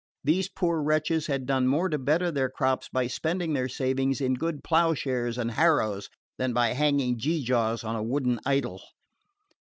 These poor wretches had done more to better their crops by spending their savings in good ploughshares and harrows than by hanging gew gaws on a wooden idol.